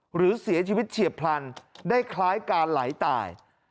หรือเสียชีวิตเฉียบพลันได้คล้ายการไหลตาย